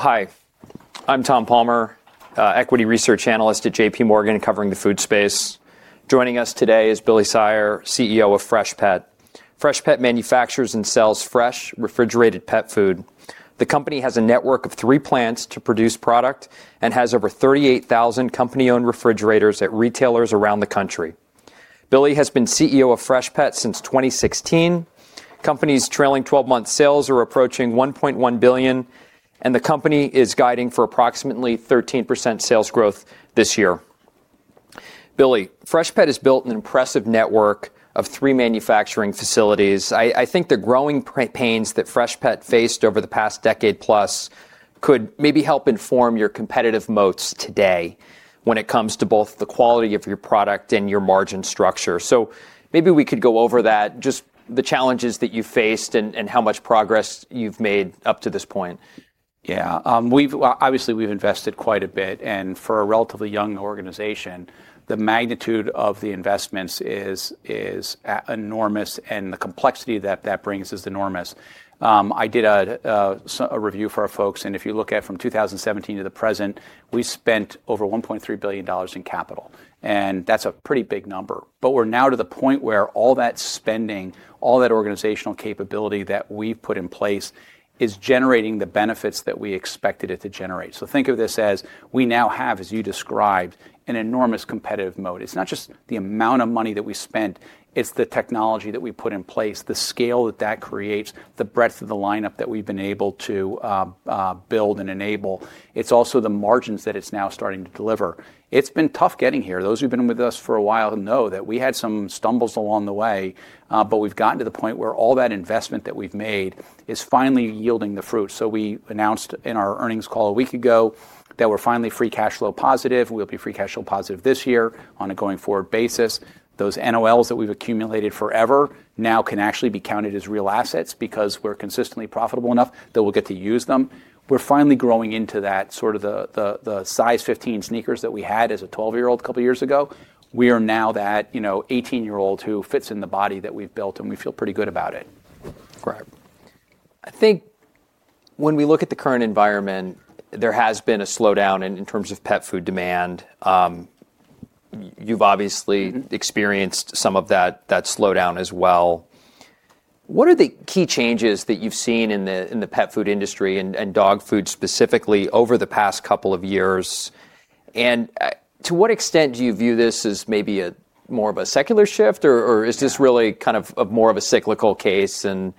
Hi, I'm Tom Palmer, Equity Research Analyst at JPMorgan covering the food space. Joining us today is Billy Cyr, CEO of Freshpet. Freshpet manufactures and sells fresh, refrigerated pet food. The company has a network of three plants to produce product and has over 38,000 company-owned refrigerators at retailers around the country. Billy has been CEO of Freshpet since 2016. The company's trailing 12-month sales are approaching $1.1 billion, and the company is guiding for approximately 13% sales growth this year. Billy, Freshpet has built an impressive network of three manufacturing facilities. I think the growing pains that Freshpet faced over the past decade-plus could maybe help inform your competitive moats today when it comes to both the quality of your product and your margin structure. Maybe we could go over that, just the challenges that you've faced and how much progress you've made up to this point. Yeah, obviously we've invested quite a bit, and for a relatively young organization, the magnitude of the investments is enormous, and the complexity that that brings is enormous. I did a review for our folks, and if you look at from 2017 to the present, we spent over $1.3 billion in capital, and that's a pretty big number. We're now to the point where all that spending, all that organizational capability that we've put in place is generating the benefits that we expected it to generate. Think of this as we now have, as you described, an enormous competitive moat. It's not just the amount of money that we spent; it's the technology that we put in place, the scale that that creates, the breadth of the lineup that we've been able to build and enable. It's also the margins that it's now starting to deliver. It's been tough getting here. Those who've been with us for a while know that we had some stumbles along the way, but we've gotten to the point where all that investment that we've made is finally yielding the fruit. We announced in our earnings call a week ago that we're finally free cash flow positive. We'll be free cash flow positive this year on a going-forward basis. Those NOLs that we've accumulated forever now can actually be counted as real assets because we're consistently profitable enough that we'll get to use them. We're finally growing into that sort of the size 15 sneakers that we had as a 12-year-old a couple of years ago. We are now that 18-year-old who fits in the body that we've built, and we feel pretty good about it. Right. I think when we look at the current environment, there has been a slowdown in terms of pet food demand. You've obviously experienced some of that slowdown as well. What are the key changes that you've seen in the pet food industry and dog food specifically over the past couple of years? To what extent do you view this as maybe more of a secular shift, or is this really kind of more of a cyclical case and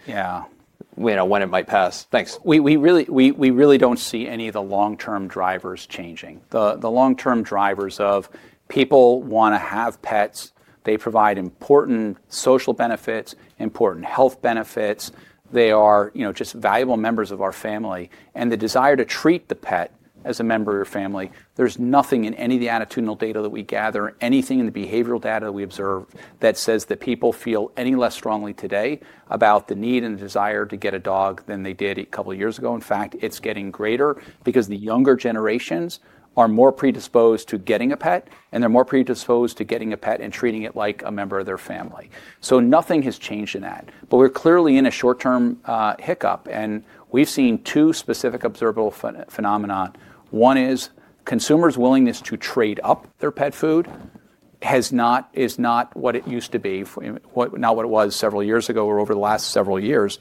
when it might pass? Thanks. We really do not see any of the long-term drivers changing. The long-term drivers of people want to have pets. They provide important social benefits, important health benefits. They are just valuable members of our family. The desire to treat the pet as a member of your family, there is nothing in any of the attitudinal data that we gather, anything in the behavioral data that we observe that says that people feel any less strongly today about the need and desire to get a dog than they did a couple of years ago. In fact, it is getting greater because the younger generations are more predisposed to getting a pet, and they are more predisposed to getting a pet and treating it like a member of their family. Nothing has changed in that. We are clearly in a short-term hiccup, and we have seen two specific observable phenomena. One is consumers' willingness to trade up their pet food is not what it used to be, not what it was several years ago or over the last several years.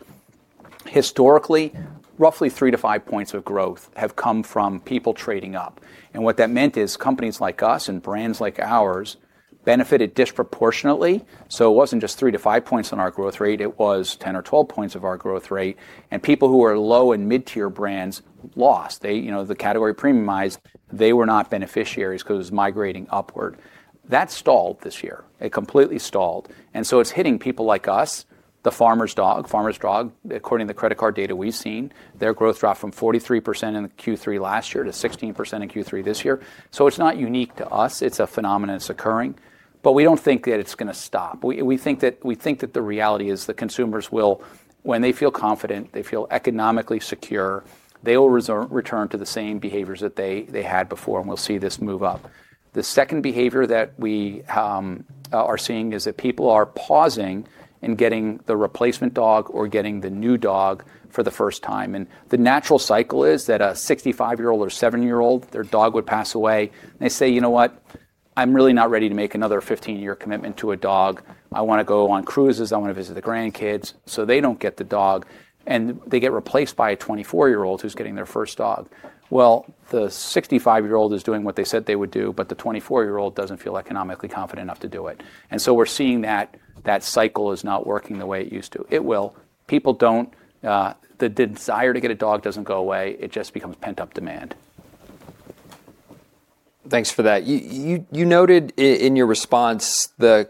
Historically, roughly three to five percentage points of growth have come from people trading up. And what that meant is companies like us and brands like ours benefited disproportionately. So it was not just three to five percentage points on our growth rate. It was 10 or 12 points of our growth rate. And people who are low and mid-tier brands lost. The category premiumized, they were not beneficiaries because it was migrating upward. That stalled this year. It completely stalled. It is hitting people like us, the Farmer's Dog. Farmer's Dog, according to the credit card data we have seen, their growth dropped from 43% in Q3 last year to 16% in Q3 this year. It is not unique to us. It's a phenomenon that's occurring. We don't think that it's going to stop. We think that the reality is the consumers will, when they feel confident, they feel economically secure, they will return to the same behaviors that they had before, and we'll see this move up. The second behavior that we are seeing is that people are pausing and getting the replacement dog or getting the new dog for the first time. The natural cycle is that a 65-year-old or 70-year-old, their dog would pass away. They say, you know what, I'm really not ready to make another 15-year commitment to a dog. I want to go on cruises. I want to visit the grandkids. They don't get the dog, and they get replaced by a 24-year-old who's getting their first dog. The 65-year-old is doing what they said they would do, but the 24-year-old doesn't feel economically confident enough to do it. We are seeing that that cycle is not working the way it used to. It will. People don't, the desire to get a dog doesn't go away. It just becomes pent-up demand. Thanks for that. You noted in your response the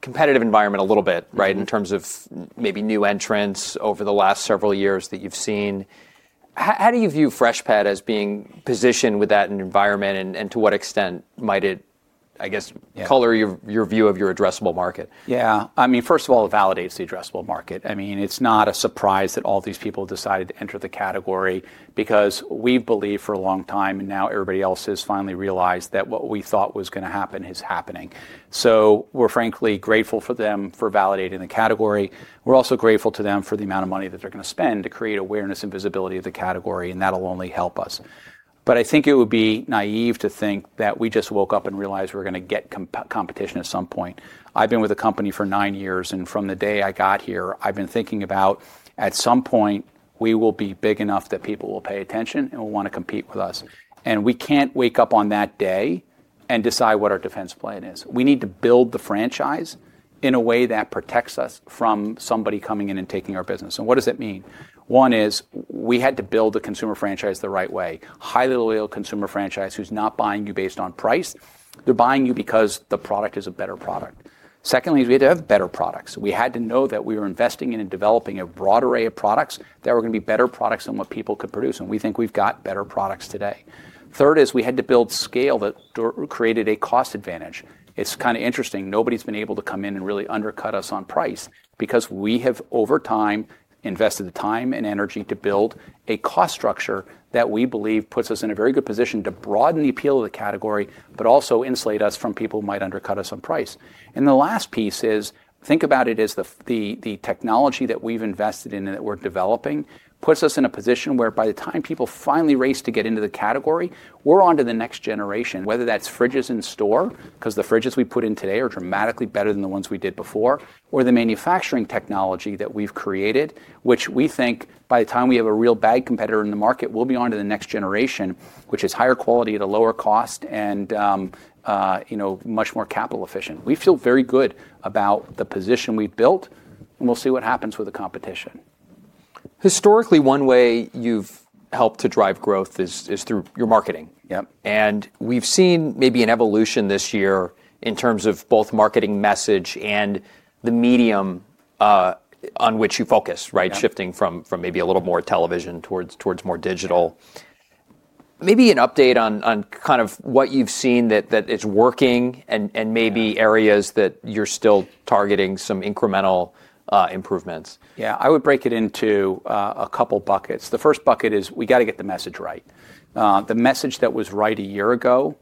competitive environment a little bit, right, in terms of maybe new entrants over the last several years that you've seen. How do you view Freshpet as being positioned with that environment, and to what extent might it, I guess, color your view of your addressable market? Yeah. I mean, first of all, it validates the addressable market. I mean, it's not a surprise that all these people decided to enter the category because we've believed for a long time, and now everybody else has finally realized that what we thought was going to happen is happening. So we're frankly grateful for them for validating the category. We're also grateful to them for the amount of money that they're going to spend to create awareness and visibility of the category, and that'll only help us. I think it would be naive to think that we just woke up and realized we're going to get competition at some point. I've been with the company for nine years, and from the day I got here, I've been thinking about at some point we will be big enough that people will pay attention and will want to compete with us. We can't wake up on that day and decide what our defense plan is. We need to build the franchise in a way that protects us from somebody coming in and taking our business. What does that mean? One is we had to build the consumer franchise the right way. Highly loyal consumer franchise who's not buying you based on price. They're buying you because the product is a better product. Secondly, we had to have better products. We had to know that we were investing in and developing a broad array of products that were going to be better products than what people could produce, and we think we've got better products today. Third is we had to build scale that created a cost advantage. It's kind of interesting. Nobody's been able to come in and really undercut us on price because we have, over time, invested the time and energy to build a cost structure that we believe puts us in a very good position to broaden the appeal of the category, but also insulate us from people who might undercut us on price. The last piece is think about it as the technology that we've invested in and that we're developing puts us in a position where by the time people finally race to get into the category, we're on to the next generation, whether that's fridges in store, because the fridges we put in today are dramatically better than the ones we did before, or the manufacturing technology that we've created, which we think by the time we have a real bag competitor in the market, we'll be on to the next generation, which is higher quality at a lower cost and much more capital efficient. We feel very good about the position we've built, and we'll see what happens with the competition. Historically, one way you've helped to drive growth is through your marketing. Yep. We've seen maybe an evolution this year in terms of both marketing message and the medium on which you focus, right, shifting from maybe a little more television towards more digital. Maybe an update on kind of what you've seen that is working and maybe areas that you're still targeting some incremental improvements. Yeah, I would break it into a couple of buckets. The first bucket is we got to get the message right. The message that was right a year ago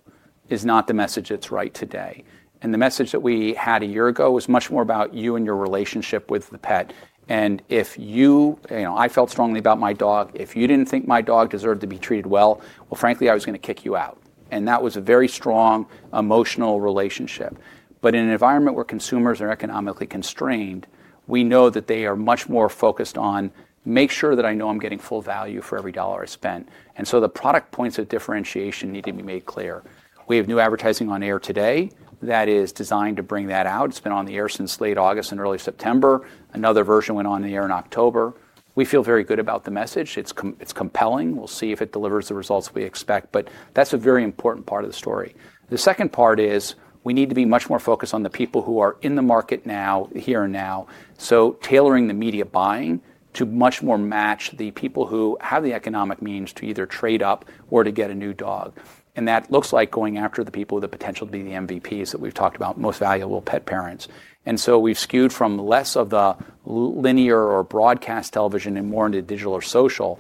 is not the message that's right today. The message that we had a year ago was much more about you and your relationship with the pet. If you, I felt strongly about my dog. If you did not think my dog deserved to be treated well, frankly, I was going to kick you out. That was a very strong emotional relationship. In an environment where consumers are economically constrained, we know that they are much more focused on making sure that I know I am getting full value for every dollar I spent. The product points of differentiation need to be made clear. We have new advertising on air today that is designed to bring that out. It's been on the air since late August and early September. Another version went on the air in October. We feel very good about the message. It's compelling. We'll see if it delivers the results we expect, but that's a very important part of the story. The second part is we need to be much more focused on the people who are in the market now, here and now. Tailoring the media buying to much more match the people who have the economic means to either trade up or to get a new dog. That looks like going after the people with the potential to be the MVPs that we've talked about, most valuable pet parents. We've skewed from less of the linear or broadcast television and more into digital or social.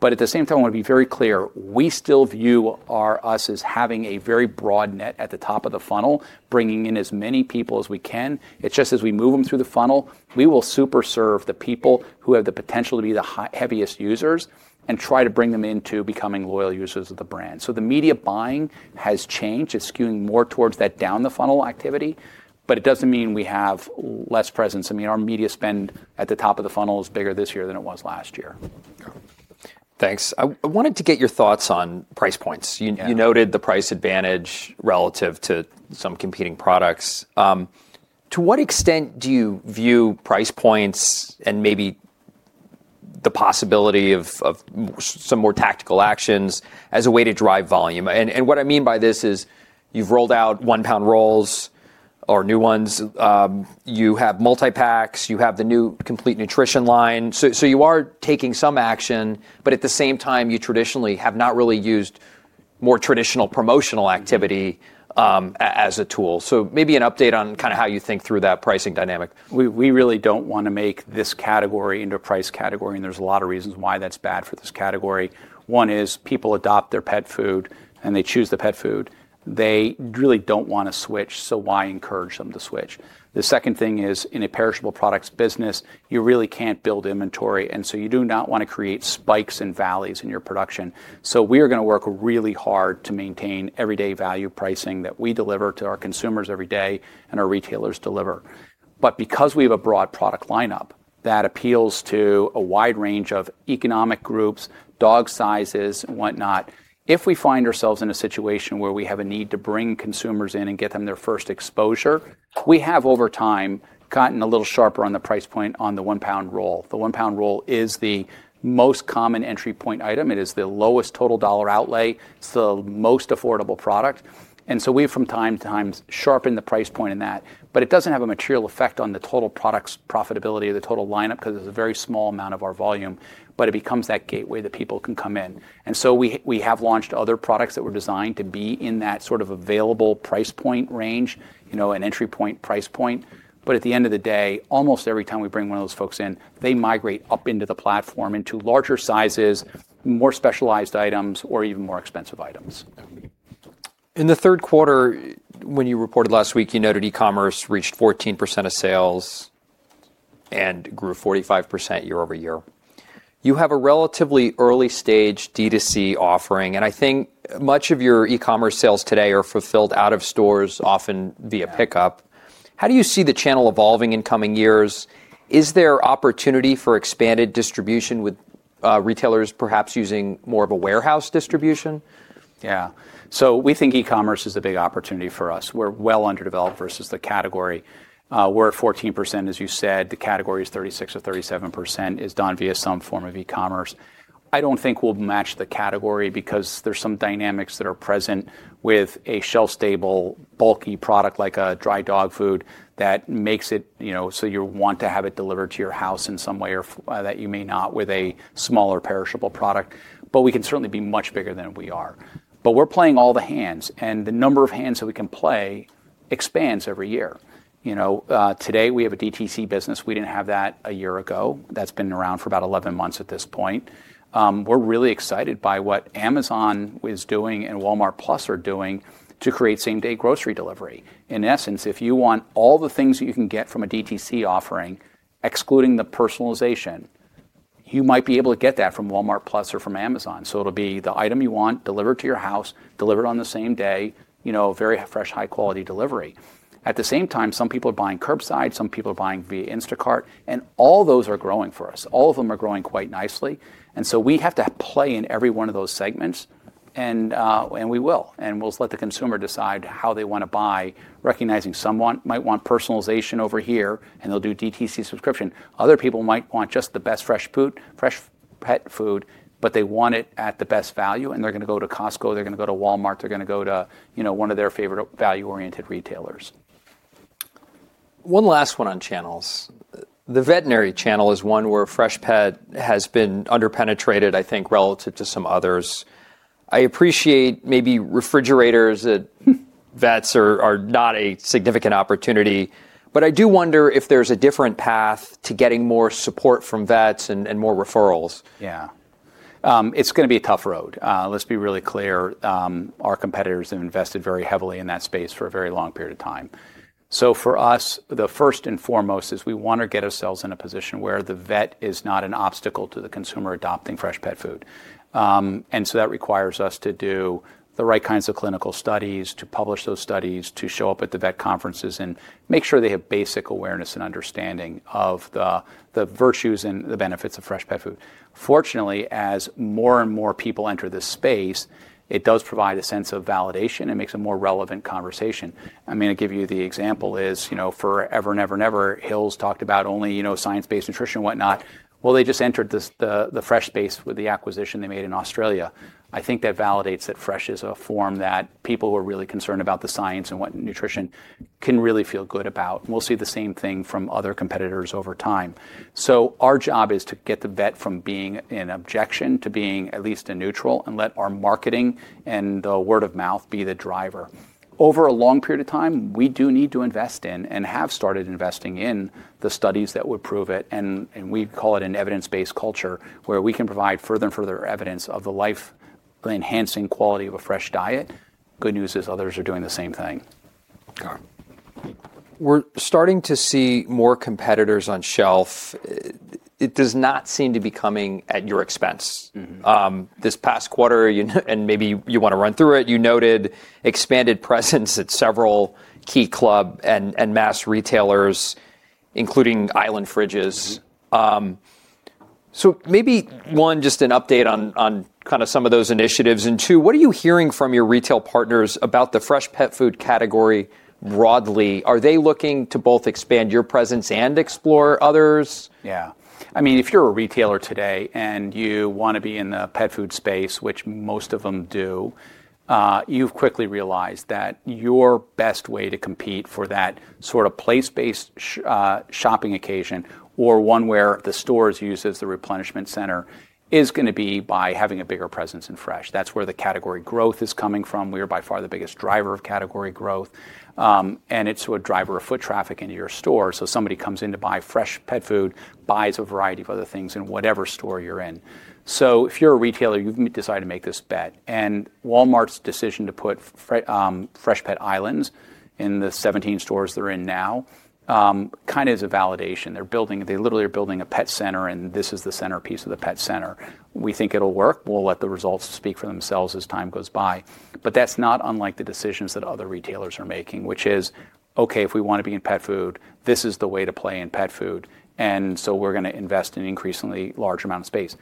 At the same time, I want to be very clear. We still view us as having a very broad net at the top of the funnel, bringing in as many people as we can. It's just as we move them through the funnel, we will superserve the people who have the potential to be the heaviest users and try to bring them into becoming loyal users of the brand. The media buying has changed. It's skewing more towards that down the funnel activity, but it doesn't mean we have less presence. I mean, our media spend at the top of the funnel is bigger this year than it was last year. Thanks. I wanted to get your thoughts on price points. You noted the price advantage relative to some competing products. To what extent do you view price points and maybe the possibility of some more tactical actions as a way to drive volume? What I mean by this is you've rolled out one-pound rolls or new ones. You have multi-packs. You have the new Complete Nutrition line. You are taking some action, but at the same time, you traditionally have not really used more traditional promotional activity as a tool. Maybe an update on kind of how you think through that pricing dynamic. We really don't want to make this category into a price category, and there's a lot of reasons why that's bad for this category. One is people adopt their pet food, and they choose the pet food. They really don't want to switch, so why encourage them to switch? The second thing is in a perishable products business, you really can't build inventory, and you do not want to create spikes and valleys in your production. We are going to work really hard to maintain everyday value pricing that we deliver to our consumers every day and our retailers deliver. Because we have a broad product lineup that appeals to a wide range of economic groups, dog sizes, and whatnot, if we find ourselves in a situation where we have a need to bring consumers in and get them their first exposure, we have over time gotten a little sharper on the price point on the one-pound roll. The one-pound roll is the most common entry point item. It is the lowest total dollar outlay. It's the most affordable product. We have from time to time sharpened the price point in that, but it does not have a material effect on the total product's profitability or the total lineup because it's a very small amount of our volume, but it becomes that gateway that people can come in. We have launched other products that were designed to be in that sort of available price point range, an entry point price point. At the end of the day, almost every time we bring one of those folks in, they migrate up into the platform into larger sizes, more specialized items, or even more expensive items. In the third quarter, when you reported last week, you noted e-commerce reached 14% of sales and grew 45% year over year. You have a relatively early stage D2C offering, and I think much of your e-commerce sales today are fulfilled out of stores, often via pickup. How do you see the channel evolving in coming years? Is there opportunity for expanded distribution with retailers perhaps using more of a warehouse distribution? Yeah. So we think e-commerce is a big opportunity for us. We're well underdeveloped versus the category. We're at 14%, as you said. The category is 36% or 37% is done via some form of e-commerce. I don't think we'll match the category because there's some dynamics that are present with a shelf-stable, bulky product like a dry dog food that makes it so you want to have it delivered to your house in some way or that you may not with a smaller perishable product. But we can certainly be much bigger than we are. We're playing all the hands, and the number of hands that we can play expands every year. Today, we have a D2C business. We didn't have that a year ago. That's been around for about 11 months at this point. We're really excited by what Amazon is doing and Walmart+ are doing to create same-day grocery delivery. In essence, if you want all the things that you can get from a D2C offering, excluding the personalization, you might be able to get that from Walmart+ or from Amazon. It will be the item you want delivered to your house, delivered on the same day, very fresh, high-quality delivery. At the same time, some people are buying curbside. Some people are buying via Instacart, and all those are growing for us. All of them are growing quite nicely. We have to play in every one of those segments, and we will. We will let the consumer decide how they want to buy, recognizing someone might want personalization over here, and they'll do D2C subscription. Other people might want just the best Freshpet food, but they want it at the best value, and they're going to go to Costco. They're going to go to Walmart. They're going to go to one of their favorite value-oriented retailers. One last one on channels. The veterinary channel is one where Freshpet has been underpenetrated, I think, relative to some others. I appreciate maybe refrigerators at vets are not a significant opportunity, but I do wonder if there's a different path to getting more support from vets and more referrals. Yeah. It's going to be a tough road. Let's be really clear. Our competitors have invested very heavily in that space for a very long period of time. For us, the first and foremost is we want to get ourselves in a position where the vet is not an obstacle to the consumer adopting fresh pet food. That requires us to do the right kinds of clinical studies, to publish those studies, to show up at the vet conferences and make sure they have basic awareness and understanding of the virtues and the benefits of fresh pet food. Fortunately, as more and more people enter this space, it does provide a sense of validation. It makes a more relevant conversation. I mean, I'll give you the example is for ever and ever and ever, Hills' talked about only science-based nutrition and whatnot. They just entered the fresh space with the acquisition they made in Australia. I think that validates that fresh is a form that people who are really concerned about the science and what nutrition can really feel good about. We'll see the same thing from other competitors over time. Our job is to get the vet from being an objection to being at least a neutral and let our marketing and the word of mouth be the driver. Over a long period of time, we do need to invest in and have started investing in the studies that would prove it. We call it an evidence-based culture where we can provide further and further evidence of the life-enhancing quality of a fresh diet. Good news is others are doing the same thing. We're starting to see more competitors on shelf. It does not seem to be coming at your expense. This past quarter, and maybe you want to run through it, you noted expanded presence at several key club and mass retailers, including Island Fridges. Maybe one, just an update on kind of some of those initiatives. Two, what are you hearing from your retail partners about the fresh pet food category broadly? Are they looking to both expand your presence and explore others? Yeah. I mean, if you're a retailer today and you want to be in the pet food space, which most of them do, you've quickly realized that your best way to compete for that sort of place-based shopping occasion or one where the store is used as the replenishment center is going to be by having a bigger presence in fresh. That's where the category growth is coming from. We are by far the biggest driver of category growth, and it's a driver of foot traffic into your store. Somebody comes in to buy Freshpet food, buys a variety of other things in whatever store you're in. If you're a retailer, you've decided to make this bet. Walmart's decision to put Freshpet Islands in the 17 stores they're in now kind of is a validation. They're building, they literally are building a pet center, and this is the centerpiece of the pet center. We think it'll work. We'll let the results speak for themselves as time goes by. That's not unlike the decisions that other retailers are making, which is, okay, if we want to be in pet food, this is the way to play in pet food. We're going to invest in an increasingly large amount of space.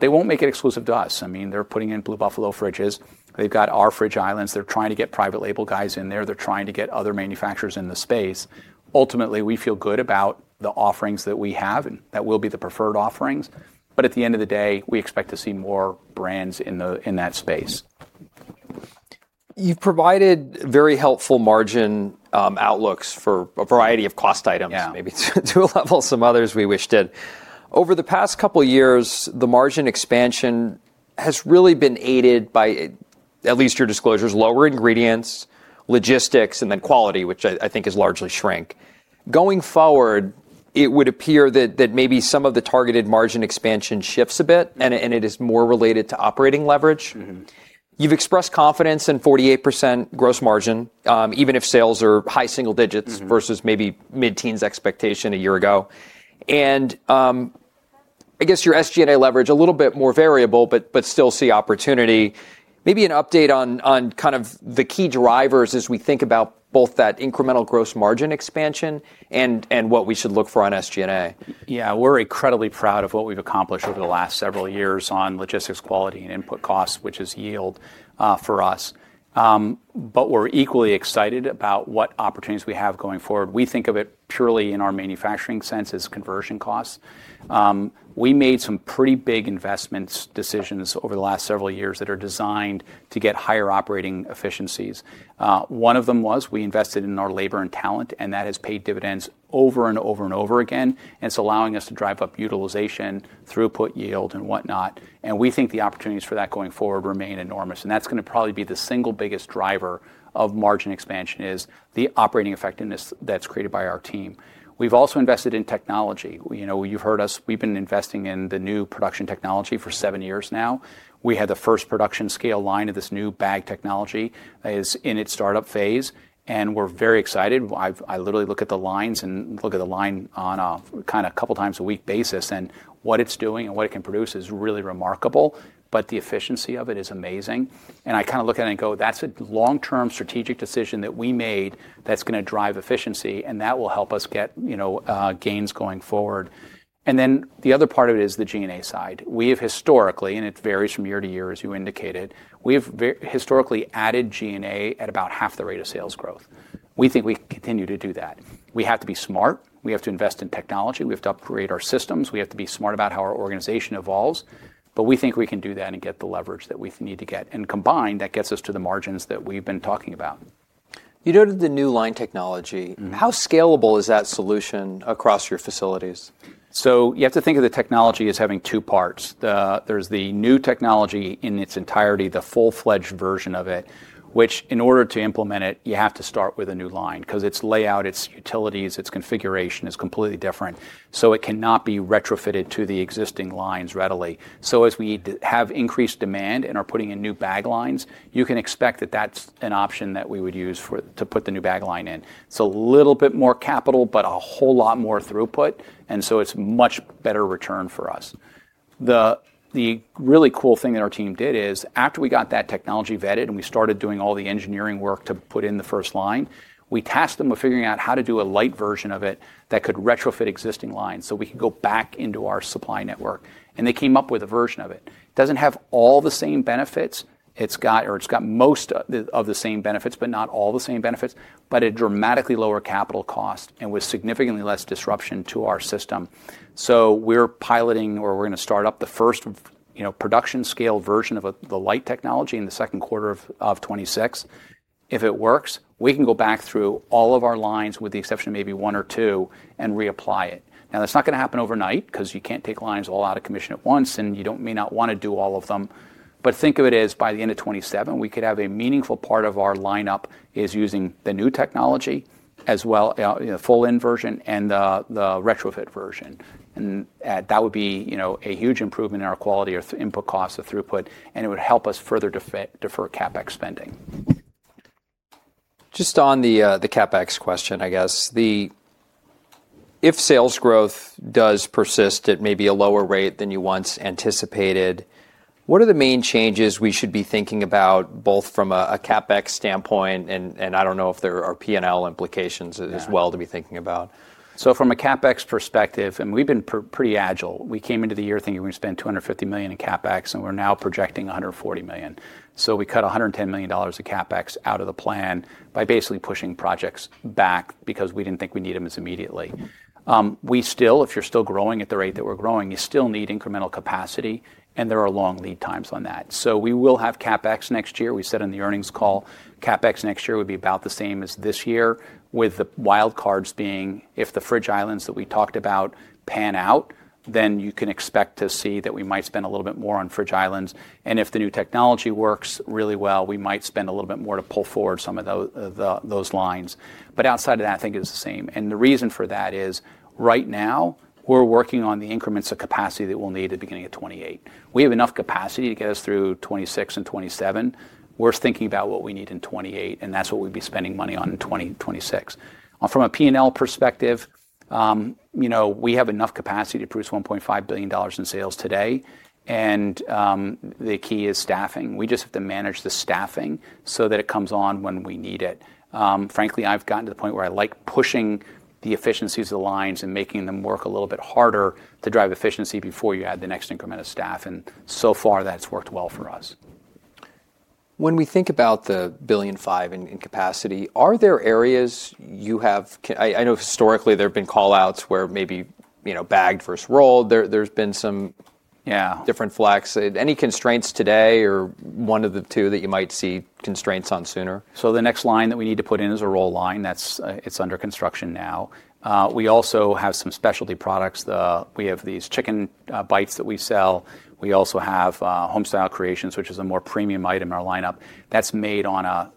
They won't make it exclusive to us. I mean, they're putting in Blue Buffalo fridges. They've got our Fridge Islands. They're trying to get private label guys in there. They're trying to get other manufacturers in the space. Ultimately, we feel good about the offerings that we have and that will be the preferred offerings. At the end of the day, we expect to see more brands in that space. You've provided very helpful margin outlooks for a variety of cost items, maybe to a level some others we wished did. Over the past couple of years, the margin expansion has really been aided by, at least your disclosures, lower ingredients, logistics, and then quality, which I think has largely shrunk. Going forward, it would appear that maybe some of the targeted margin expansion shifts a bit, and it is more related to operating leverage. You've expressed confidence in 48% gross margin, even if sales are high single digits versus maybe mid-teens expectation a year ago. I guess your SG&A leverage, a little bit more variable, but still see opportunity. Maybe an update on kind of the key drivers as we think about both that incremental gross margin expansion and what we should look for on SG&A. Yeah, we're incredibly proud of what we've accomplished over the last several years on logistics, quality, and input costs, which is yield for us. We're equally excited about what opportunities we have going forward. We think of it purely in our manufacturing sense as conversion costs. We made some pretty big investment decisions over the last several years that are designed to get higher operating efficiencies. One of them was we invested in our labor and talent, and that has paid dividends over and over again. It's allowing us to drive up utilization, throughput, yield, and whatnot. We think the opportunities for that going forward remain enormous. That's going to probably be the single biggest driver of margin expansion is the operating effectiveness that's created by our team. We've also invested in technology. You've heard us, we've been investing in the new production technology for seven years now. We had the first production scale line of this new bag technology that is in its startup phase, and we're very excited. I literally look at the lines and look at the line on a kind of couple of times a week basis, and what it's doing and what it can produce is really remarkable, but the efficiency of it is amazing. I kind of look at it and go, that's a long-term strategic decision that we made that's going to drive efficiency, and that will help us get gains going forward. The other part of it is the G&A side. We have historically, and it varies from year to year as you indicated, we have historically added G&A at about half the rate of sales growth. We think we continue to do that. We have to be smart. We have to invest in technology. We have to upgrade our systems. We have to be smart about how our organization evolves. We think we can do that and get the leverage that we need to get. Combined, that gets us to the margins that we've been talking about. You noted the new line technology. How scalable is that solution across your facilities? You have to think of the technology as having two parts. There's the new technology in its entirety, the full-fledged version of it, which in order to implement it, you have to start with a new line because its layout, its utilities, its configuration is completely different. It cannot be retrofitted to the existing lines readily. As we have increased demand and are putting in new bag lines, you can expect that that's an option that we would use to put the new bag line in. It's a little bit more capital, but a whole lot more throughput. It's a much better return for us. The really cool thing that our team did is after we got that technology vetted and we started doing all the engineering work to put in the first line, we tasked them with figuring out how to do a light version of it that could retrofit existing lines so we could go back into our supply network. They came up with a version of it. It does not have all the same benefits. It has or it has most of the same benefits, but not all the same benefits, but a dramatically lower capital cost and with significantly less disruption to our system. We are piloting or we are going to start up the first production scale version of the light technology in the second quarter of 2026. If it works, we can go back through all of our lines with the exception of maybe one or two and reapply it. Now, that's not going to happen overnight because you can't take lines all out of commission at once and you may not want to do all of them. Think of it as by the end of 2027, we could have a meaningful part of our lineup is using the new technology as well as the full-in version and the retrofit version. That would be a huge improvement in our quality or input costs of throughput, and it would help us further defer CapEx spending. Just on the CapEx question, I guess, if sales growth does persist at maybe a lower rate than you once anticipated, what are the main changes we should be thinking about both from a CapEx standpoint? I don't know if there are P&L implications as well to be thinking about. From a CapEx perspective, and we've been pretty agile. We came into the year thinking we're going to spend $250 million in CapEx, and we're now projecting $140 million. We cut $110 million of CapEx out of the plan by basically pushing projects back because we didn't think we needed them as immediately. If you're still growing at the rate that we're growing, you still need incremental capacity, and there are long lead times on that. We will have CapEx next year. We said in the earnings call, CapEx next year would be about the same as this year, with the wild cards being if the fridge islands that we talked about pan out, then you can expect to see that we might spend a little bit more on fridge islands. If the new technology works really well, we might spend a little bit more to pull forward some of those lines. Outside of that, I think it's the same. The reason for that is right now we're working on the increments of capacity that we'll need at the beginning of 2028. We have enough capacity to get us through 2026 and 2027. We're thinking about what we need in 2028, and that's what we'd be spending money on in 2026. From a P&L perspective, we have enough capacity to produce $1.5 billion in sales today. The key is staffing. We just have to manage the staffing so that it comes on when we need it. Frankly, I've gotten to the point where I like pushing the efficiencies of the lines and making them work a little bit harder to drive efficiency before you add the next increment of staff. So far, that's worked well for us. When we think about the billion five in capacity, are there areas you have? I know historically there have been callouts where maybe bagged versus rolled. There's been some different flex. Any constraints today or one of the two that you might see constraints on sooner? The next line that we need to put in is a roll line. It's under construction now. We also have some specialty products. We have these Chicken Bites that we sell. We also have Homestyle Creations, which is a more premium item in our lineup. That's made on a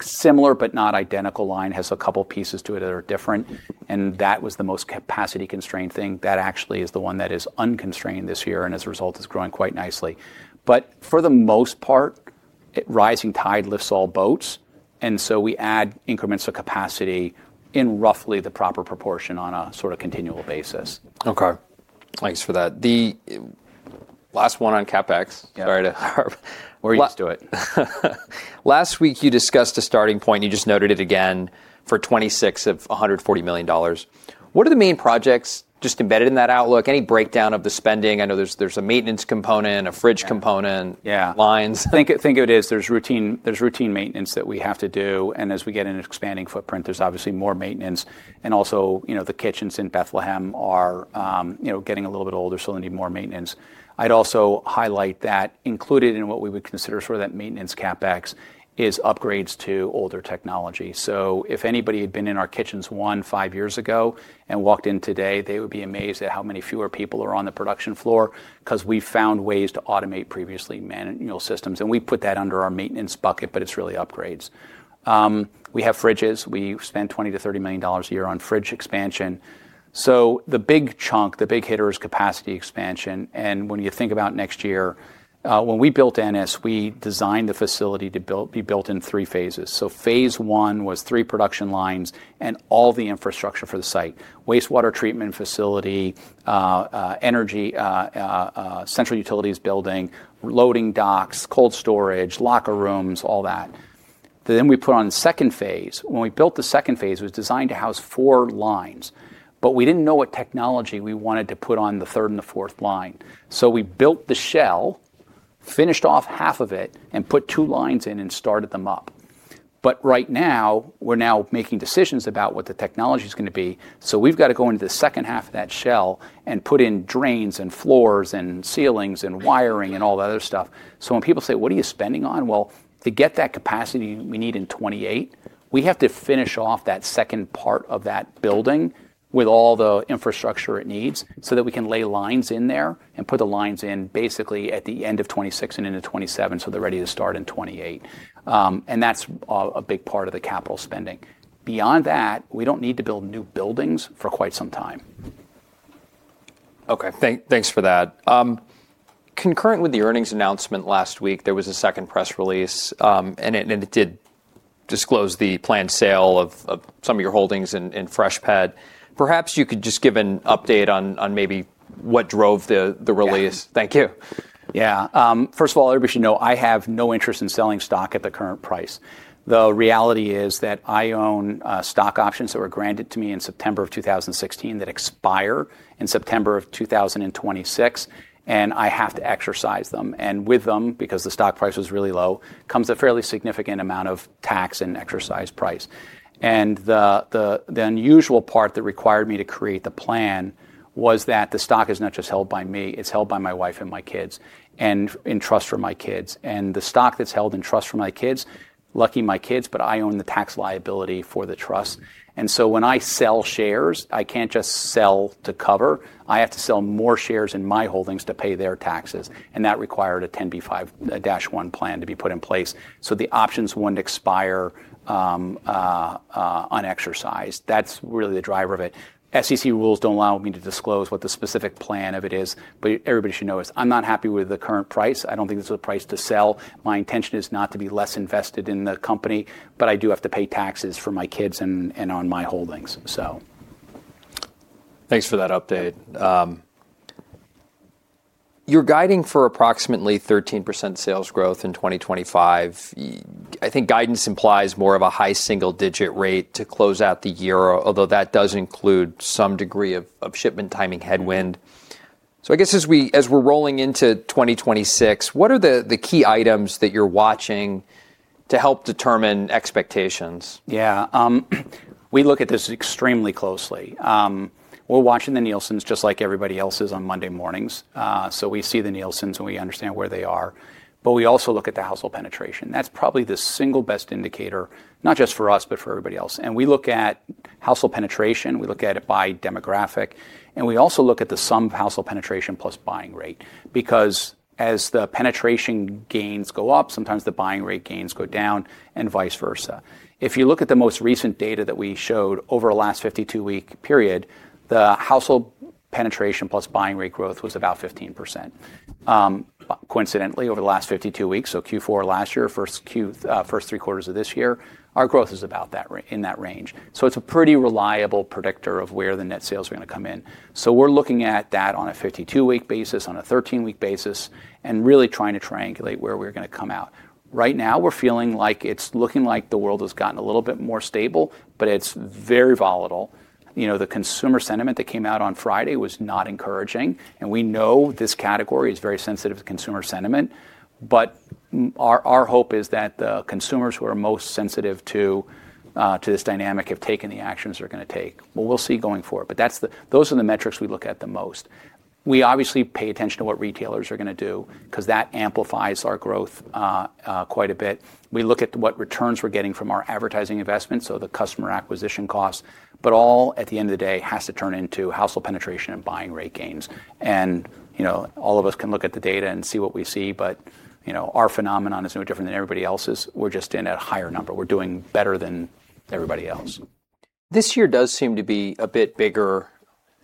similar but not identical line, has a couple of pieces to it that are different. That was the most capacity constrained thing. That actually is the one that is unconstrained this year and as a result is growing quite nicely. For the most part, rising tide lifts all boats. We add increments of capacity in roughly the proper proportion on a sort of continual basis. Okay. Thanks for that. The last one on CapEx. Sorry to hurry. Let's do it. Last week you discussed a starting point. You just noted it again for $26 of $140 million. What are the main projects just embedded in that outlook? Any breakdown of the spending? I know there's a maintenance component, a fridge component, lines. Think of it as there's routine maintenance that we have to do. As we get an expanding footprint, there's obviously more maintenance. Also, the kitchens in Bethlehem are getting a little bit older, so they need more maintenance. I'd also highlight that included in what we would consider sort of that maintenance CapEx is upgrades to older technology. If anybody had been in our kitchens five years ago and walked in today, they would be amazed at how many fewer people are on the production floor because we've found ways to automate previously manual systems. We put that under our maintenance bucket, but it's really upgrades. We have fridges. We spend $20 million-$30 million a year on fridge expansion. The big chunk, the big hitter is capacity expansion. When you think about next year, when we built Ennis, we designed the facility to be built in three phases. Phase one was three production lines and all the infrastructure for the site: wastewater treatment facility, energy, central utilities building, loading docks, cold storage, locker rooms, all that. We put on second phase. When we built the second phase, it was designed to house four lines, but we did not know what technology we wanted to put on the third and the fourth line. We built the shell, finished off half of it, and put two lines in and started them up. Right now, we are making decisions about what the technology is going to be. We have to go into the second half of that shell and put in drains and floors and ceilings and wiring and all that other stuff. When people say, "What are you spending on?" To get that capacity we need in 2028, we have to finish off that second part of that building with all the infrastructure it needs so that we can lay lines in there and put the lines in basically at the end of 2026 and into 2027 so they're ready to start in 2028. That's a big part of the capital spending. Beyond that, we do not need to build new buildings for quite some time. Okay. Thanks for that. Concurrent with the earnings announcement last week, there was a second press release, and it did disclose the planned sale of some of your holdings in Freshpet. Perhaps you could just give an update on maybe what drove the release. Thank you. Yeah. First of all, everybody should know I have no interest in selling stock at the current price. The reality is that I own stock options that were granted to me in September of 2016 that expire in September of 2026, and I have to exercise them. With them, because the stock price was really low, comes a fairly significant amount of tax and exercise price. The unusual part that required me to create the plan was that the stock is not just held by me, it is held by my wife and my kids and in trust for my kids. The stock that is held in trust for my kids, lucky my kids, but I own the tax liability for the trust. When I sell shares, I cannot just sell to cover. I have to sell more shares in my holdings to pay their taxes. That required a 10b5-1 plan to be put in place. The options would not expire on exercise. That is really the driver of it. SEC rules do not allow me to disclose what the specific plan of it is, but everybody should know I am not happy with the current price. I do not think it is the price to sell. My intention is not to be less invested in the company, but I do have to pay taxes for my kids and on my holdings. Thanks for that update. You're guiding for approximately 13% sales growth in 2025. I think guidance implies more of a high single-digit rate to close out the year, although that does include some degree of shipment timing headwind. I guess as we're rolling into 2026, what are the key items that you're watching to help determine expectations? Yeah. We look at this extremely closely. We're watching the Nielsen's just like everybody else is on Monday mornings. We see the Nielsen's and we understand where they are. We also look at the household penetration. That's probably the single best indicator, not just for us, but for everybody else. We look at household penetration. We look at it by demographic. We also look at the sum of household penetration plus buying rate because as the penetration gains go up, sometimes the buying rate gains go down and vice versa. If you look at the most recent data that we showed over the last 52-week period, the household penetration plus buying rate growth was about 15%. Coincidentally, over the last 52 weeks, so Q4 last year, first three quarters of this year, our growth is about in that range. It's a pretty reliable predictor of where the net sales are going to come in. We're looking at that on a 52-week basis, on a 13-week basis, and really trying to triangulate where we're going to come out. Right now, we're feeling like it's looking like the world has gotten a little bit more stable, but it's very volatile. The consumer sentiment that came out on Friday was not encouraging. We know this category is very sensitive to consumer sentiment. Our hope is that the consumers who are most sensitive to this dynamic have taken the actions they're going to take. We'll see going forward. Those are the metrics we look at the most. We obviously pay attention to what retailers are going to do because that amplifies our growth quite a bit. We look at what returns we're getting from our advertising investment, so the customer acquisition costs, but all at the end of the day has to turn into household penetration and buying rate gains. All of us can look at the data and see what we see, but our phenomenon is no different than everybody else's. We're just in at a higher number. We're doing better than everybody else. This year does seem to be a bit bigger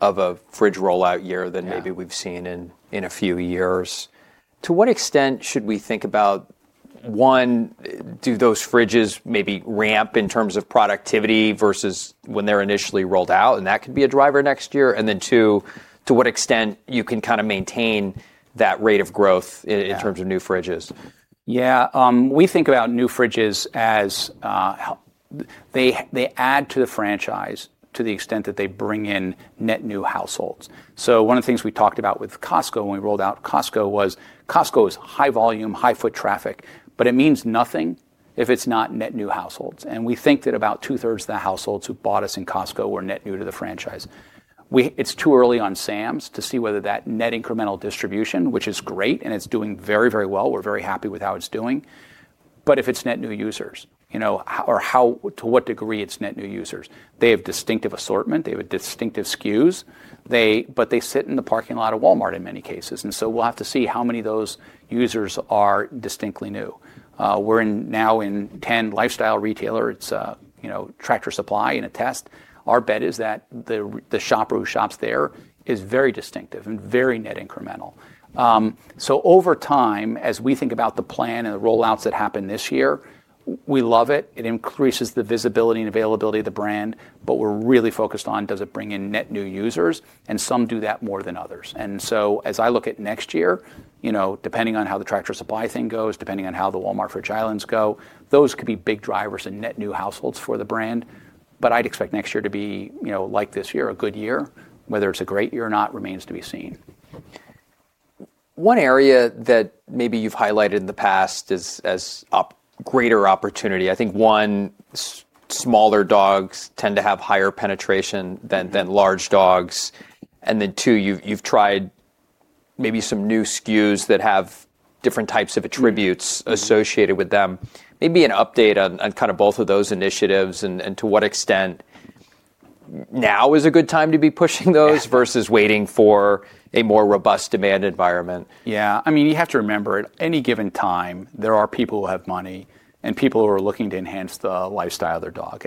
of a fridge rollout year than maybe we've seen in a few years. To what extent should we think about, one, do those fridges maybe ramp in terms of productivity versus when they're initially rolled out? That could be a driver next year. Two, to what extent you can kind of maintain that rate of growth in terms of new fridges? Yeah. We think about new fridges as they add to the franchise to the extent that they bring in net new households. One of the things we talked about with Costco when we rolled out Costco was Costco is high volume, high foot traffic, but it means nothing if it's not net new households. We think that about two-thirds of the households who bought us in Costco were net new to the franchise. It's too early on sums to see whether that net incremental distribution, which is great and it's doing very, very well. We're very happy with how it's doing. If it's net new users or to what degree it's net new users, they have distinctive assortment. They have distinctive SKUs, but they sit in the parking lot of Walmart in many cases. We'll have to see how many of those users are distinctly new. We're now in 10 lifestyle retailers. It's Tractor Supply in a test. Our bet is that the shopper who shops there is very distinctive and very net incremental. Over time, as we think about the plan and the rollouts that happen this year, we love it. It increases the visibility and availability of the brand, but we're really focused on does it bring in net new users? Some do that more than others. As I look at next year, depending on how the Tractor Supply thing goes, depending on how the Walmart fridge islands go, those could be big drivers in net new households for the brand. I'd expect next year to be like this year, a good year. Whether it's a great year or not remains to be seen. One area that maybe you've highlighted in the past as greater opportunity, I think one, smaller dogs tend to have higher penetration than large dogs. Then two, you've tried maybe some new SKUs that have different types of attributes associated with them. Maybe an update on kind of both of those initiatives and to what extent now is a good time to be pushing those versus waiting for a more robust demand environment. Yeah. I mean, you have to remember at any given time, there are people who have money and people who are looking to enhance the lifestyle of their dog.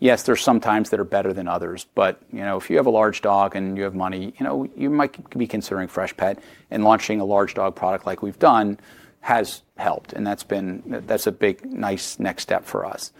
Yes, there are some times that are better than others. If you have a large dog and you have money, you might be considering Freshpet. Launching a large dog product like we've done has helped. That's a big nice next step for us.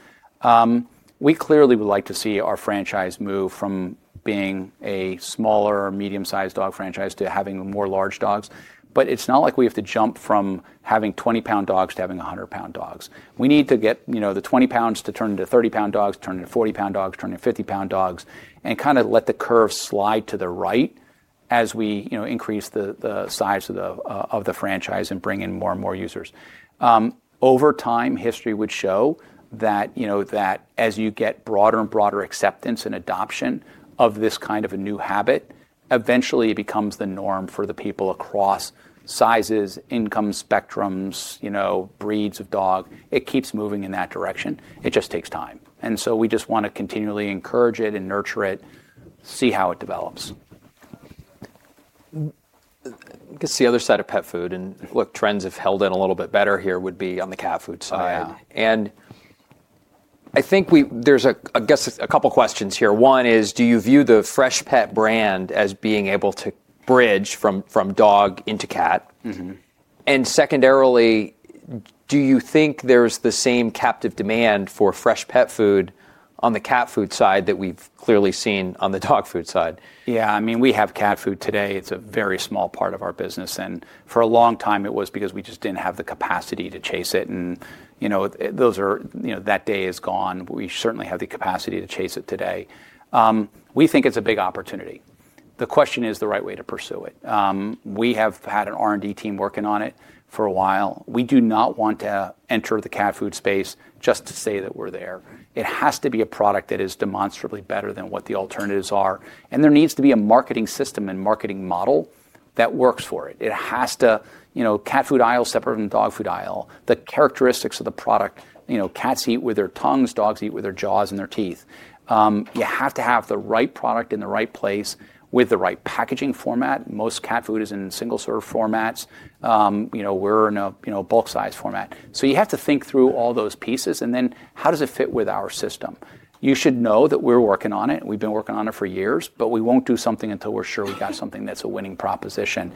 We clearly would like to see our franchise move from being a smaller medium-sized dog franchise to having more large dogs. It's not like we have to jump from having 20-pound dogs to having 100-pound dogs. We need to get the 20-pound dogs to turn into 30-pound dogs, turn into 40-pound dogs, turn into 50-pound dogs, and kind of let the curve slide to the right as we increase the size of the franchise and bring in more and more users. Over time, history would show that as you get broader and broader acceptance and adoption of this kind of a new habit, eventually it becomes the norm for the people across sizes, income spectrums, breeds of dog. It keeps moving in that direction. It just takes time. We just want to continually encourage it and nurture it, see how it develops. I guess the other side of pet food and what trends have held in a little bit better here would be on the cat food side. I think there's a guess a couple of questions here. One is, do you view the Freshpet brand as being able to bridge from dog into cat? Secondarily, do you think there's the same captive demand for fresh pet food on the cat food side that we've clearly seen on the dog food side? Yeah. I mean, we have cat food today. It's a very small part of our business. For a long time, it was because we just didn't have the capacity to chase it. That day is gone. We certainly have the capacity to chase it today. We think it's a big opportunity. The question is the right way to pursue it. We have had an R&D team working on it for a while. We do not want to enter the cat food space just to say that we're there. It has to be a product that is demonstrably better than what the alternatives are. There needs to be a marketing system and marketing model that works for it. It has to cat food aisle separate from dog food aisle. The characteristics of the product, cats eat with their tongues, dogs eat with their jaws and their teeth. You have to have the right product in the right place with the right packaging format. Most cat food is in single-serve formats. We're in a bulk size format. You have to think through all those pieces. How does it fit with our system? You should know that we're working on it. We've been working on it for years, but we won't do something until we're sure we've got something that's a winning proposition.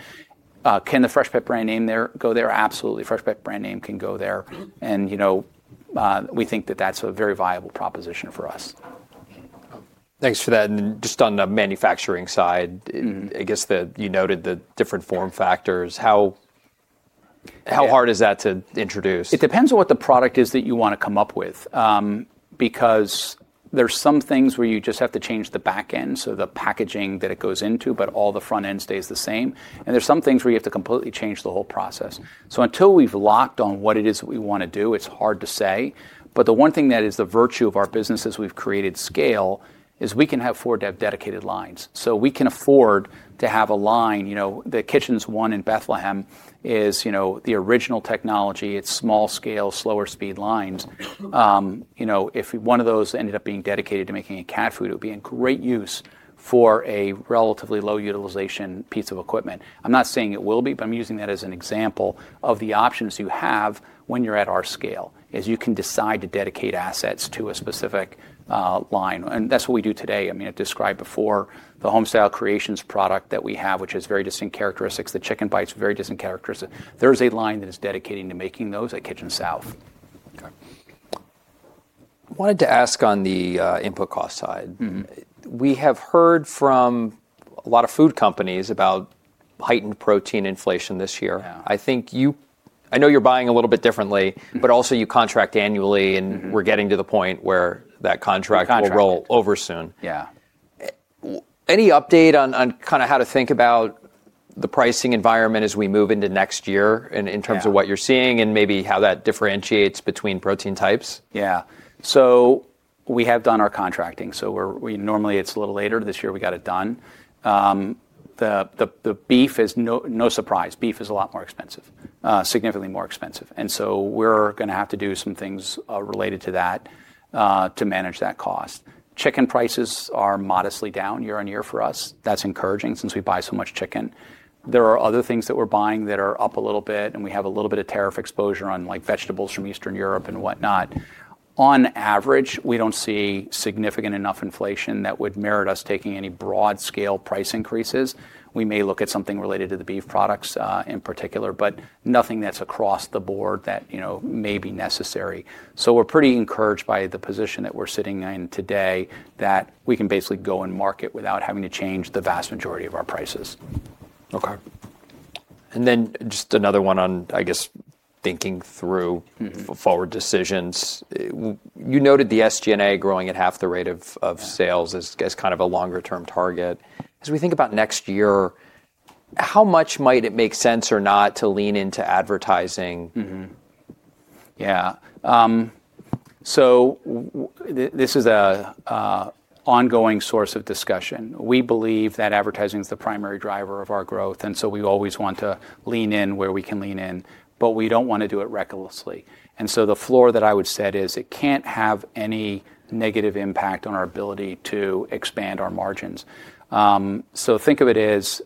Can the Freshpet brand name go there? Absolutely. Freshpet brand name can go there. We think that that's a very viable proposition for us. Thanks for that. Just on the manufacturing side, I guess that you noted the different form factors. How hard is that to introduce? It depends on what the product is that you want to come up with because there's some things where you just have to change the back end, so the packaging that it goes into, but all the front end stays the same. There are some things where you have to completely change the whole process. Until we've locked on what it is that we want to do, it's hard to say. The one thing that is the virtue of our business as we've created scale is we can afford to have dedicated lines. We can afford to have a line. The Kitchens One in Bethlehem is the original technology. It's small scale, slower speed lines. If one of those ended up being dedicated to making a cat food, it would be in great use for a relatively low utilization piece of equipment. I'm not saying it will be, but I'm using that as an example of the options you have when you're at our scale is you can decide to dedicate assets to a specific line. That's what we do today. I mean, I described before the Homestyle Creations product that we have, which has very distinct characteristics. The Chicken Bites, very distinct characteristics. There's a line that is dedicating to making those at Kitchen South. Okay. I wanted to ask on the input cost side. We have heard from a lot of food companies about heightened protein inflation this year. I think I know you're buying a little bit differently, but also you contract annually, and we're getting to the point where that contract will roll over soon. Contract. Yeah. Any update on kind of how to think about the pricing environment as we move into next year in terms of what you're seeing and maybe how that differentiates between protein types? Yeah. So we have done our contracting. Normally it's a little later. This year we got it done. The beef is no surprise. Beef is a lot more expensive, significantly more expensive. We're going to have to do some things related to that to manage that cost. Chicken prices are modestly down year on year for us. That's encouraging since we buy so much chicken. There are other things that we're buying that are up a little bit, and we have a little bit of tariff exposure on vegetables from Eastern Europe and whatnot. On average, we don't see significant enough inflation that would merit us taking any broad scale price increases. We may look at something related to the beef products in particular, but nothing that's across the board that may be necessary. We're pretty encouraged by the position that we're sitting in today that we can basically go and market without having to change the vast majority of our prices. Okay. And then just another one on, I guess, thinking through forward decisions. You noted the SG&A growing at half the rate of sales as kind of a longer-term target. As we think about next year, how much might it make sense or not to lean into advertising? Yeah. This is an ongoing source of discussion. We believe that advertising is the primary driver of our growth. We always want to lean in where we can lean in, but we do not want to do it recklessly. The floor that I would set is it cannot have any negative impact on our ability to expand our margins. Think of it as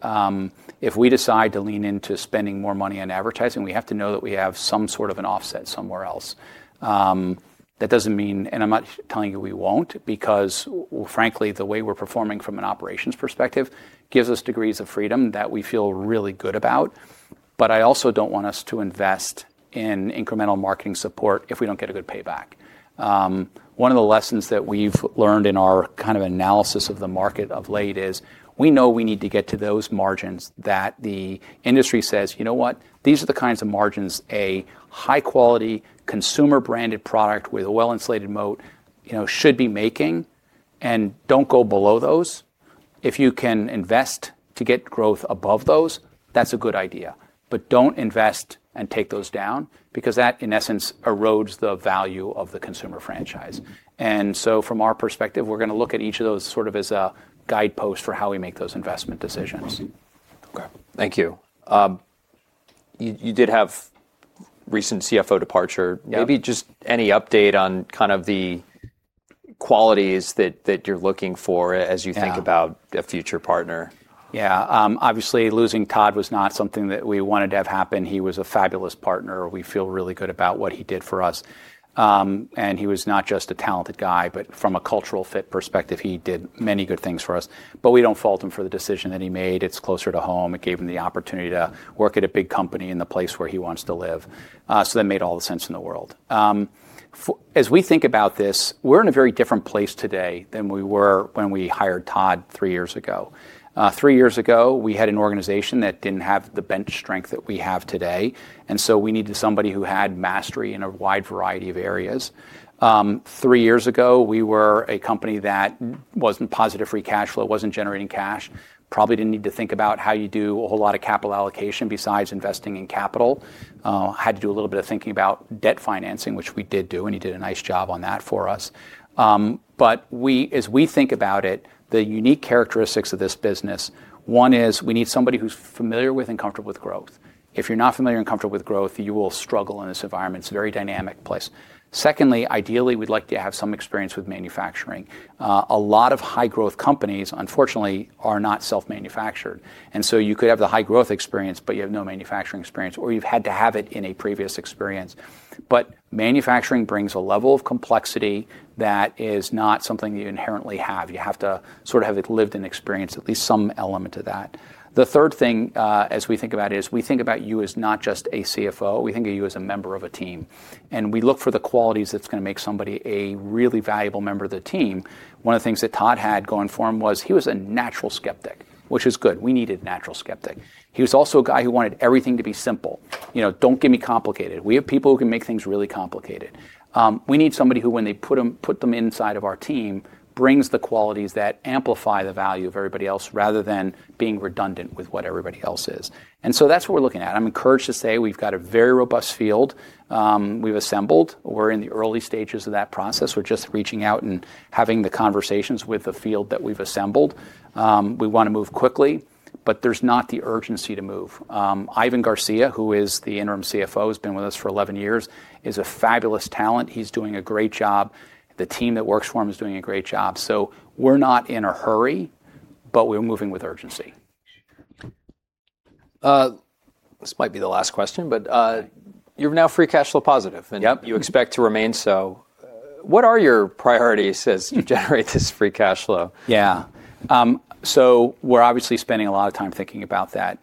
if we decide to lean into spending more money on advertising, we have to know that we have some sort of an offset somewhere else. That does not mean, and I am not telling you we will not because, frankly, the way we are performing from an operations perspective gives us degrees of freedom that we feel really good about. I also do not want us to invest in incremental marketing support if we do not get a good payback. One of the lessons that we've learned in our kind of analysis of the market of late is we know we need to get to those margins that the industry says, you know what, these are the kinds of margins a high-quality consumer-branded product with a well-insulated moat should be making, and do not go below those. If you can invest to get growth above those, that's a good idea. Do not invest and take those down because that, in essence, erodes the value of the consumer franchise. From our perspective, we're going to look at each of those sort of as a guidepost for how we make those investment decisions. Okay. Thank you. You did have recent CFO departure. Maybe just any update on kind of the qualities that you're looking for as you think about a future partner? Yeah. Obviously, losing Todd was not something that we wanted to have happen. He was a fabulous partner. We feel really good about what he did for us. He was not just a talented guy, but from a cultural fit perspective, he did many good things for us. We do not fault him for the decision that he made. It is closer to home. It gave him the opportunity to work at a big company in the place where he wants to live. That made all the sense in the world. As we think about this, we are in a very different place today than we were when we hired Todd three years ago. Three years ago, we had an organization that did not have the bench strength that we have today. We needed somebody who had mastery in a wide variety of areas. Three years ago, we were a company that was not positive free cash flow, was not generating cash, probably did not need to think about how you do a whole lot of capital allocation besides investing in capital. Had to do a little bit of thinking about debt financing, which we did do, and he did a nice job on that for us. As we think about it, the unique characteristics of this business, one is we need somebody who is familiar with and comfortable with growth. If you are not familiar and comfortable with growth, you will struggle in this environment. It is a very dynamic place. Secondly, ideally, we would like to have some experience with manufacturing. A lot of high-growth companies, unfortunately, are not self-manufactured. You could have the high-growth experience, but you have no manufacturing experience, or you have had to have it in a previous experience. Manufacturing brings a level of complexity that is not something that you inherently have. You have to sort of have lived an experience, at least some element of that. The third thing as we think about it is we think about you as not just a CFO. We think of you as a member of a team. We look for the qualities that are going to make somebody a really valuable member of the team. One of the things that Todd had going for him was he was a natural skeptic, which is good. We needed a natural skeptic. He was also a guy who wanted everything to be simple. Do not get me complicated. We have people who can make things really complicated. We need somebody who, when they put them inside of our team, brings the qualities that amplify the value of everybody else rather than being redundant with what everybody else is. That is what we are looking at. I am encouraged to say we have got a very robust field. We have assembled. We are in the early stages of that process. We are just reaching out and having the conversations with the field that we have assembled. We want to move quickly, but there is not the urgency to move. Ivan Garcia, who is the Interim CFO, has been with us for 11 years, is a fabulous talent. He is doing a great job. The team that works for him is doing a great job. We are not in a hurry, but we are moving with urgency. This might be the last question, but you're now free cash flow positive, and you expect to remain so. What are your priorities as you generate this free cash flow? Yeah. We're obviously spending a lot of time thinking about that.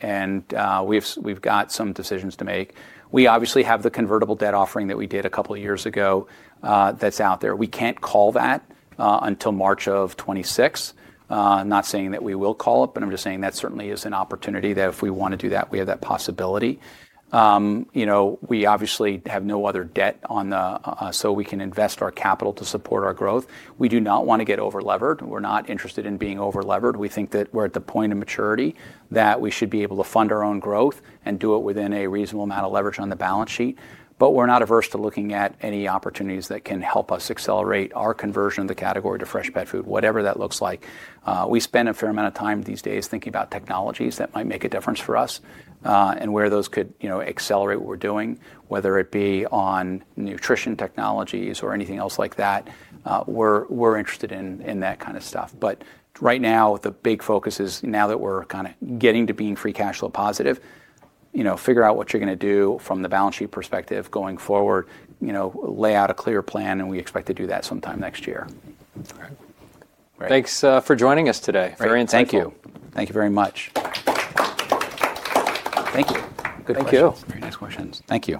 We've got some decisions to make. We obviously have the convertible debt offering that we did a couple of years ago that's out there. We can't call that until March of 2026. I'm not saying that we will call it, but I'm just saying that certainly is an opportunity that if we want to do that, we have that possibility. We obviously have no other debt, so we can invest our capital to support our growth. We do not want to get over-levered. We're not interested in being over-levered. We think that we're at the point of maturity that we should be able to fund our own growth and do it within a reasonable amount of leverage on the balance sheet. We're not averse to looking at any opportunities that can help us accelerate our conversion of the category to fresh pet food, whatever that looks like. We spend a fair amount of time these days thinking about technologies that might make a difference for us and where those could accelerate what we're doing, whether it be on nutrition technologies or anything else like that. We're interested in that kind of stuff. Right now, the big focus is now that we're kind of getting to being free cash flow positive, figure out what you're going to do from the balance sheet perspective going forward, lay out a clear plan, and we expect to do that sometime next year. All right. Thanks for joining us today. Very insightful. Thank you very much. Thank you. Good questions. Thank you. Very nice questions. Thank you.